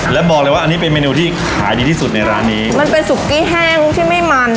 แล้วบอกเลยว่าอันนี้เป็นเมนูที่ขายดีที่สุดในร้านนี้มันเป็นซุกกี้แห้งที่ไม่มัน